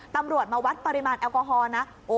ตำรวจมาวัดปริมาณแอลกอฮอล์นะ